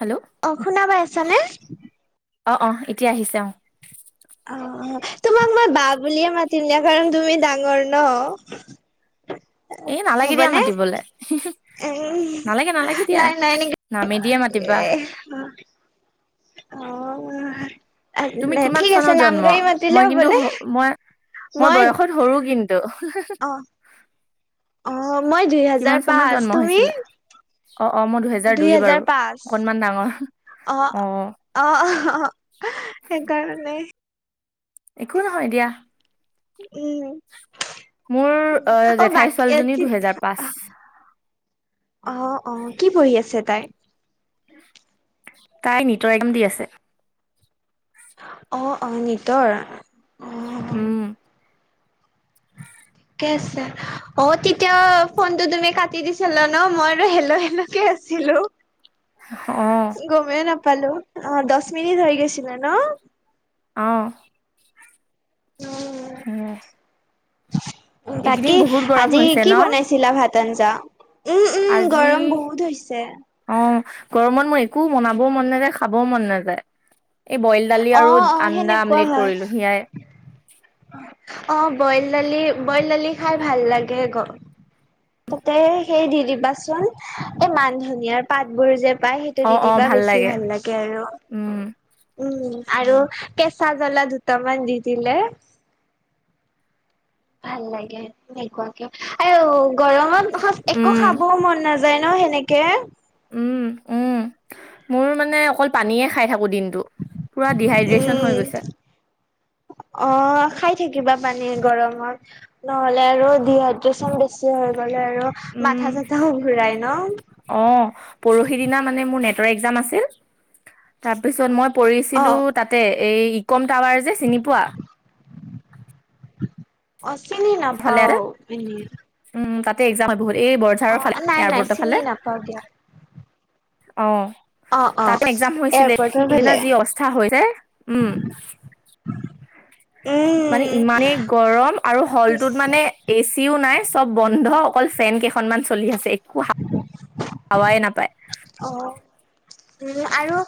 Hello, অ শুনা পাই আছানে? অ', অ', এতিয়া আহিছে অ'। অ', তোমাক মই বা বুলিয়ে মাতিম দিয়া কাৰণ তুমি ডাঙৰ ন'। এই নালাগে দিয়া হ'বনে? মাতিবলে। হিহি। উম নালাগে, নালাগে দিয়া, নাই নাই নেকি নামে দিয়ে মাতিবা। এ অ'। তুমি কিমান ঠিক আছে চনত নাম জন্ম? গাড়ী মাতিলে মই কিন্তু হ'বনে? মই মই বয়সত সৰু কিন্তু। অ অ', মই দুই কিমান হেজাৰ চনত পাঁচ জন্ম তুমি হৈছিলা? অ', অ', মই দুহেজাৰ দুই হেজাৰ বাৰু। পাঁচ অকনমান ডাঙৰ। অ', অ', অ', অ', সেইকাৰণে। একো নহয় দিয়া। উম। মোৰ অ', বা জেঠাই ছোৱালীজনী কি দুহেজাৰ পাঁচ [unintelligible] অ', অ', কি পঢ়ি আছে তাই? তাই নিটৰ এক্সাম দি আছে। অ', অ', নিটৰ? অ উম। ঠিকে আছে। অ', তেতিয়া ফোনটো তুমি কাটি দিছিলা ন'? মই আৰু হেল্ল' হেল্ল' কে আছিলো। অ'। গমেই নাপালোঁ। অ', দশ মিনিট হৈ গৈছিলে ন'? অ'। [unintelligible] [unintelligible] এইকেইদিন তাকে, বহুত গৰম আজি হৈছে কি ন বনাইছিলা ভাত-আঞ্জা? আজি অ', গৰমত মোৰ একো বনাবও মন নাযায় খাবও মন নাযায় এই বইল দালি অ আৰু অ আন্দা সেনেকুৱা আমলেট হয় কৰিলো সিয়াই অ', বইল দালি বইল দালি খাই ভাল লাগে গ [unintelligible] তাতে সেই দি দিবাচোন, এই মান ধনিয়াৰ পাতবোৰ যে পাই সেইটো দিদিবা বেছি ভাল লাগে আৰু উম, উম, আৰু কেঁচা জ্বলা দুটামান দি দিলে ভাল লাগে তেনেকুৱাকে, আৰু গৰমত একো উম খাবও মন নাযায় যায় ন সেনেকে উম, উম, মোৰ মানে অকল পানীয়ে খাই থাকোঁ দিনটো পুৰা ডিহাইড্ৰেচন হৈ উম গৈছে অ', খাই থাকিবা পানী গৰমত। নহলে আৰু ডিহাইড্ৰেচন বেছি হৈ গলে, আৰু উম মাথা চাথাও ঘূৰাই ন। অ', পৰহি দিনা মানে মোৰ নেটৰ একজাম আছিল তাৰপিছত মই অ পৰিছিলোঁ, তাতে এই ইকম টাৱাৰ যে চিনি পোৱা অ', চিনি ইফালে নাপাও আছে, এনেই উম, তাতে একজাম হয় বহুত এই বৰঝাৰৰ ফালে নাই নাই এয়াৰপৰ্টৰ ফালে চিনি নাপাও দিয়া অ, অ অ তাতে একজাম হৈছিলে স, এয়াৰপৰ্টৰ সেইদিনা ফালে যি অস্থা হৈছে উম, [unintelligible] মানে উম ইমানেই গৰম আৰু হ'লটোত মানে। এচিও নাই চব বন্ধ অকল ফেন কেইখনমান চলি আছে। একো হাৱাই নাপায়। অ, উম, আৰু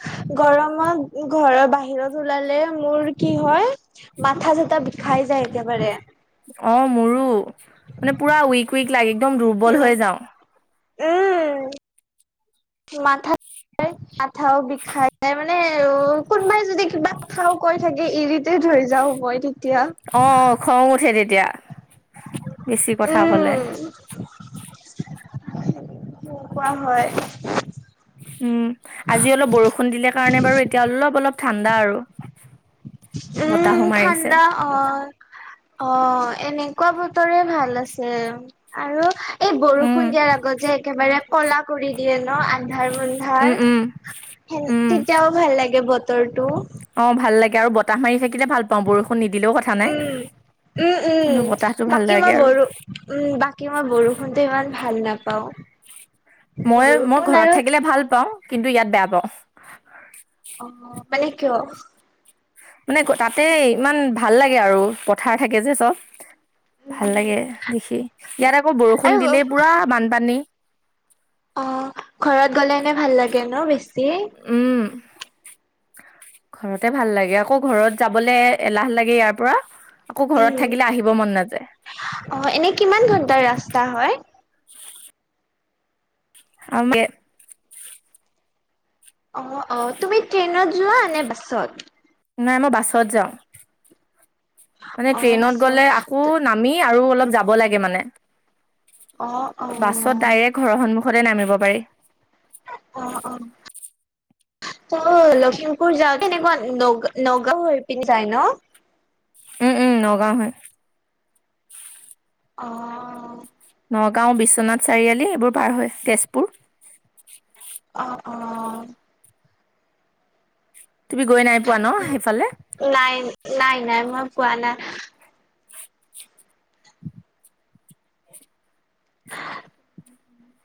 গৰমত ঘৰৰ বাহিৰত ওলালে মোৰ কি হয়। মাথা চাথা বিষাই যায় একেবাৰে। অ, মোৰো মানে পুৰা উইক, উইক লাগে একদম দুৰ্বল সেনে হৈ যাওঁ। উম, মাথা আঠাও বিষাই মানে অ, কোনোবাই যদি কিবা কথা কৈ থাকে ইৰি তেত, হৈ যাওঁ মই তেতিয়া। অ, খং উঠে তেতিয়া বেছি কথা ক'লে। [inaudible] কোৱা হয়। উম, আজি অলপ বৰষুণ দিলে কাৰণে বাৰু এতিয়া অলপ অলপ ঠাণ্ডা আৰু। বতাহো উম, মাৰিছে ঠাণ্ডা অ, অ, এনেকুৱা বতৰে ভাল আছে আৰু। এই উম বৰষুণ দিয়াৰ আগত যে একেবাৰে ক'লা কৰি দিয়ে ন আন্ধাৰ উম মুন্ধাৰ। উম সে উম তেতিয়াও ভাল লাগে বতৰটো। অ, ভাল লাগে আৰু বাতাহ মাৰি থাকিলে ভাল পাও বৰষুণ নিদিলেও কথা। নাই উম। উম উম কিন্তু বতাহতটো ভাল বাকী মই লাগে আৰু। বৰো উম, বাকী মই বৰষুণটো ইমান ভাল নাপাওঁ। মই মই বৰষুণ ঘৰত আৰু থাকিলে ভাল পাওঁ কিন্তু ইয়াত বেয়া পাওঁ। অ, মানে কিয়? মানে তাতে ইমান ভাল লাগে আৰু পথাৰ থাকে যে চব। ভাল উম লাগে দেখি ইয়াত আকৌ আৰু বৰষুণ দিলেই পুৰা বানপানী। অ, ঘৰত গ'লে এনে ভাল লাগে ন বেছি। উম, ঘৰতে ভাল লাগে আকৌ ঘৰত যাবলৈ এলাহ লাগে ইয়াৰ পৰা। আকৌ ঘৰত উম থাকিলে আহিব মন নাযায়। অ, এনে কিমান ঘণ্টাৰ ৰাস্তা হয়। [unintelligible] অ, অ, তুমি ট্ৰেইনত যোৱা নে বাছত। নাই মই বাছত যাওঁ মানে অ ট্ৰেইনত গ'লে আ আকৌ বাছত নামি আৰু অলপ যাব লাগে মানে অ অ বাছত ডাইৰেক্ট। ঘৰৰ সন্মুখতে নামিব পাৰি। অ, অ, ত' লখিমপুৰ যা কেনেকুৱা নগ নগাঁও হৈ পিনি যায় ন। উম, উম, নগাঁও হৈ। অ, নগাঁও বিশ্বনাথ চাৰিআলি এইবোৰ পাৰ হয় তেজপুৰ। অ, অ, তুমি গৈ নাই পোৱা ন সেইফালে। নাই নাই নাই মই পোৱা নাই।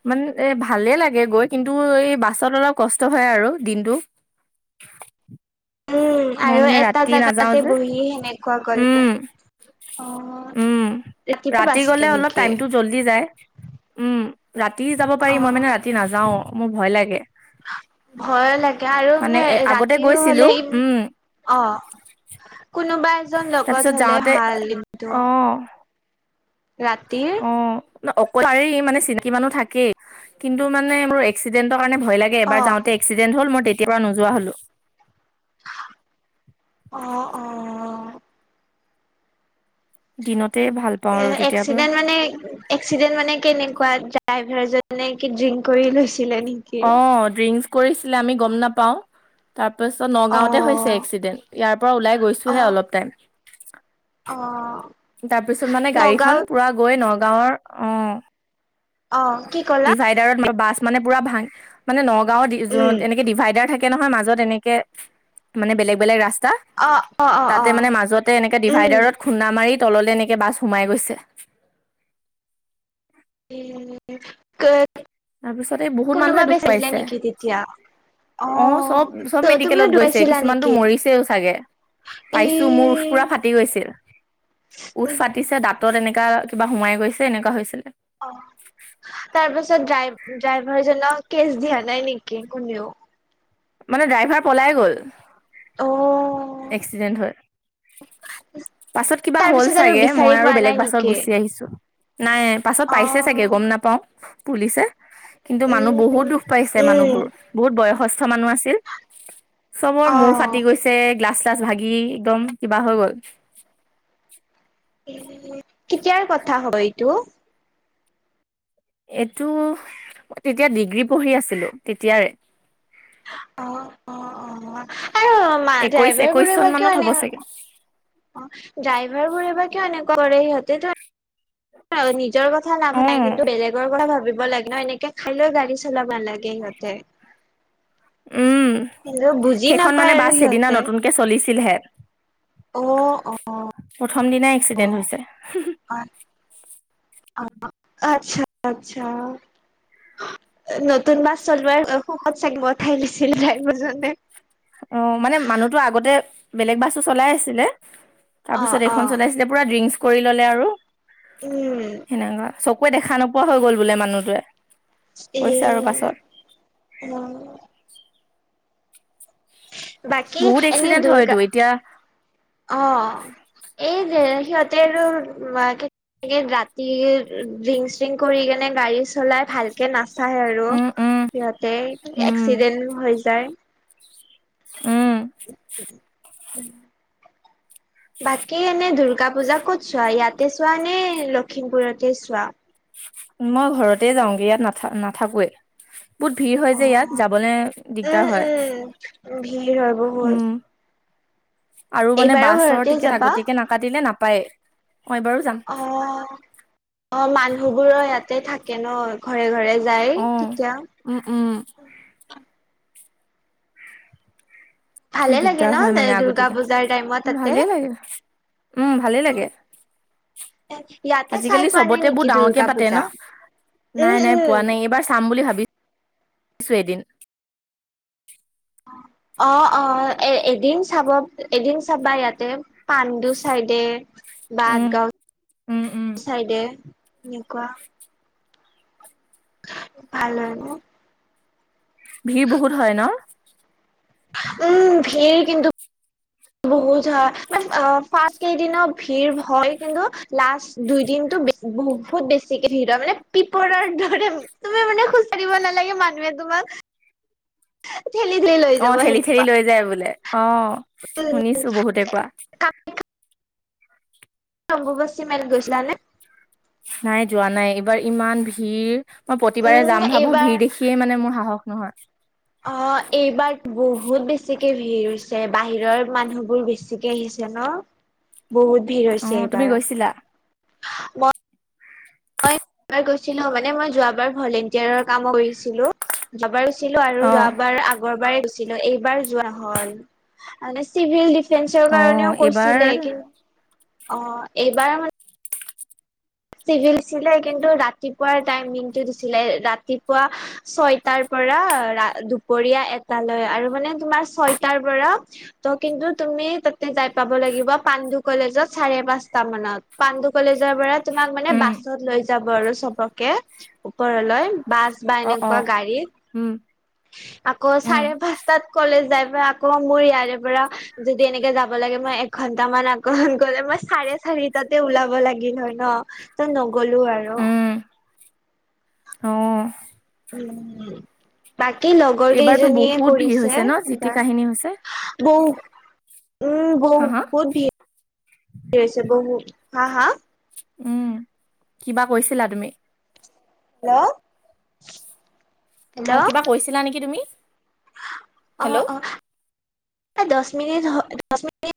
মান এ ভালেই লাগে গৈ, কিন্তু এই বাছত অলপ কষ্ট হয় আৰু দিনটো। উম, মই আৰু মানে এটা ৰাতি নাযাও জেগাতে যে বহি সেনে কোৱা ক'লে উম অ, উম ৰাতিপুৱা ৰাতি বাচ গ'লে অলপ কেনেকি। টাইমটো জল্দি যায় উম, ৰাতি যাব পাৰি মই অ'। মানে ৰাতি নাযাও মোৰ ভয় লাগে। ভয় লাগে আৰু মানে এ আগতে ৰাতি গৈছিলো হ'লে ই উম অ, কোনোবা এজন তাৰপিছত লগত হ'লে যাওঁতে ভাল কিন্তু। অ ৰাতিৰ অ অকল পাৰি মানে চিন্তি মানুহ থাকেই কিন্তু মানে মোৰ এক্সিডেন্টৰ কাৰণে ভয় লাগে এবাৰ অ', যাওঁতে এক্সিডেণ্ট হল মই তেতিয়াৰ পৰা নোযোৱা হ'লো অ অ দিনতে ভাল পাওঁ এ আৰু তেতিয়াৰ পৰা এক্সিডেণ্ট মানে এক্সিডেণ্ট মানে কেনেকুৱা ড্ৰাইভাৰজনে কি ড্ৰিংক কৰি লৈছিলে নেকি অ ড্ৰিংকচ কৰিছিলে আমি গম নাপাওঁ তাৰপিছত নগাঁওতে হৈছে অ', এক্সিডেণ্ট ইয়াৰ পৰা ওলাই গৈছোহে অ', অলপ টাইম অ তাৰপিছত মানে নগাঁও গাড়ীখন পুৰা গৈ নগাঁওৰ অ অ কি ক'লা ডিভাইডাৰত বাছ মানে পুৰা ভাং মানে নগাঁওত দি যো উম এনেকে ডিভাইডাৰ থাকে কে নহয় মাজত এনেকে মানে বেলেগ বেলেগ ৰাস্তা অ অ অ তাতে অ মানে মাজতে এনেকে উম ডিভাইডাৰত খুন্দা মাৰি তললে এনেকে বাছ সোমাই গৈছে ক তাৰ পিছত এই বহুত কোনোবা মানুহে দুখ বেচাইছিলে পাইছে। নেকি তেতিয়া অ চব চব ত তুমিও মেডিকেলত গৈছে ধুৱাইছিলা কিছুমানটো নেকি মৰিছেও চাগে এ পাইছো মোৰ উঠ পুৰা ফাটি গৈছিল উঠ ফা তিছে দাঁত এনেকা কিবা সোমাই গৈছে এনেকুৱা হৈছিলে অ তাৰ পাছত ড্ৰাই ড্ৰাইভাৰ জনক কেচ দিয়া নাই নেকি কোনেও মানে ড্ৰাইভাৰ পলাই গ'ল অ এক্সিডেণ্ট হয় পাছত কিবা তাৰ হ'ল পিছত আৰু চাগে মই বিচাৰি আৰু পোৱা বেলেগ নাই বাছত নেকি গুচি আহিছো নাই পাছত অ পাইছে চাগে গম নাপাও পুলিচে কিন্তু মানুহ উম বহুত দুখ পাইছে উম মানুহবোৰ বহুত বয়সস্থ মানুহ আছিল চবৰ অ মূৰ ফাটি গৈছে গ্লাছ চ্লাছ ভাগি একদম কিবা হৈ গ'ল কেতিয়াৰ কথা হয় এইটো এইটো তেতিয়া ডিগ্ৰী পঢ়ি আছিলো তেতিয়াৰে অ অ অ আৰু একৈশ ড্ৰাইভাৰ একৈশ চন বোৰেবা মানত কিয় হ'ব এনে চাগে অ ড্ৰাইভাৰ বোৰেবা কিয় এনেকুৱা কৰে সিহঁতেতো নিজৰ কথা অ নাভানাই কিন্তু বেলেগৰ কথা ভাবিব লাগে ন এনেকে খাই লৈ গাড়ী লাব নালাগে সিহঁতে উম কিন্তু বুজি সেইখন মানে নাপায় আৰু বাছ সেইদিনা সিহঁতে নতুনকে চলিছিলহে অ' অ' প্ৰথম দিনাই এক্সিডেণ্ট হৈছে আচ্ছা আচ্ছা নতুন বাছ চলোৱাৰ সুখত চাগি উঠাই দিছিল ড্ৰাইভৰজনে অ মানে মানুহতো আগতে বেলেগ বাছো চলাই আছিলে তাৰপিছত অ' এইখন অ' চলাইছিলে উম [unintelligible] কৈ দেখা নোপোৱা হৈ গল বোলে মানুহটোৱে এই কৈছে আৰু পাছত অ বাকী বহুত এনে এক্সিডেন্ট হয়তো দুৰ্গা এতিয়া অ এই যে সিহঁতে আৰু একে ৰাতি ডিং চ্ৰিং কৰি কিনে গাড়ী চলাই ভাল কে নাচায় আৰু উম উম সিহঁতে উম এক্সিডেন্ট হৈ যায় উম বাকী এনেই দুূৰ্গা পূজা ক'ত চোৱা ইয়াতে চোৱা নে লখিমপুৰতে চোৱা মই ঘৰতে যাওঁগে ইয়াত না নাথাকোৱে বহুত ভিৰ হয় যে ইয়াত অ', যাবলৈ উম, দিগদাৰ হয় ভিৰ হয় বহুত উম আৰু মানে এইবাৰো বাছৰ ঘৰতে টিকেট যাবা? আগতীয়াকে নাকাটিলে নাপায় অ অ মানুহবোৰ ইয়াতে থাকে ন ঘৰে ঘৰে যায় অ তেতিয়া। উম উম ভালে লাগে দিগদাৰ হয় মানে ন দুৰ্গা আগতিাকে পূজাৰ টাইমত তাতে? ভালেই লাগে উম ভালে লাগে ইয়াতে চাই আজিকালি পোৱা নাই চবতে বহু নেকি ডাঙৰকে দুৰ্গা পাতে ন পূজা? উম নাই নাই পোৱা উম। নাই এইবাৰ চাম বুলি ভাবিছো এদিন অ অ এ এদিন চাব এদিন চাবা ইয়াতে পাণ্ডু চাইডে বাতগাঁও চাইডে এনেকুৱা [inaudible] ভাল হয় ন ভিৰ বহুত হয় ন উম ভিৰ কিন্তু বহুত হয় মান ফাৰ্ষ কেইদিনৰ ভিৰ হয় কিন্তু লাষ্ট দুই দিনতটো বে বহুত বেছিকে ভিৰ মানে পিপৰাৰ দৰে তুমি মানে খোজকাৰিব নালাগে মানুহে তোমাক ঠেলি দি অ ঠেলি ঠেলি লৈ যায় বোলে অ শুনিছো বহুতে কোৱা অম্বুবাচী মেলাত গৈছিলা নে নাই যোৱা নাই এইবাৰ ইমান ভিৰ মই প্ৰতিবাৰে উম যাম ভাবো এইবাৰ ভিৰ দেখিয়ে মানে মোৰ সাহস নহয় অ এইবাৰ বহুত বেছিকে ভিৰ হৈছে বাহিৰৰ মানুহ বোৰ বেছি বিকে আহিছে ন বহুত ভিৰ অ হৈছে তুমি এইবাৰ গৈছিলা? মই এবাৰ গৈছিলো মানে মই যোৱ বাৰ ভলেন্টিয়াৰৰ কাম কৰিছিলো যোৱাবাৰ গছিলো আৰু অ যোৱাবাৰ আগৰ বাৰে গৈ এইবাৰ যোৱা হ'ল মানে চিভিল দিফেন্সৰ অ কাৰণেও এইবাৰ কৈছিলে কিন্তু অ এইবাৰ মান চিভিলছিলে কিন্তু ৰাতিপুৱাৰ টাইমিংটো দিছিলে ৰাতিপুৱা ছয়টাৰ পৰা ৰা দুপৰীয়া এটালৈ আৰু মানে তোমাৰ ছয়টাৰ পৰা ত কিন্তু তুমি তাতে যাই পাব লাগিব পাণ্ডু কলেজত চাৰে পাঁচটা মানত পাণ্ডু কলেজৰ বাৰাত তোমাক মানে উম বাছত লৈ যাব আৰু চবকে ওপৰলৈ বাছ বা অ অ এনেকুৱা গাড়ী উম আকৌ উম চাৰে পাঁচটাত কলেজ যাই প আকৌ মোৰ ইয়াৰে পৰা যদি এনেকে যাব লাগে মই এঘন্ট মান আকৰমণ কৰিলে মই চাৰে চাৰিটাতে ওলাব লাগিল হয় ন তই নগলো আৰু উম অ উম বাকী লগৰ এইবাৰতো কেইজনীয়ে বহুত ভিৰ কৰিছে হৈছে ন যি টি কাহিনী হৈছে। এবাৰ বৌ উম হা হা? বহুুত ভিৰ হৈছে বহুত হা হা উম কিবা কৈছিলা তুমি হেল্ল' আৰু হেল্ল' কিবা কৈছিলা নেকি তুমি অ হেল্ল'? অ দহ মিনিট দহ মিনি